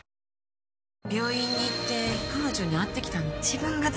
病院に行って彼女に会ってきたの。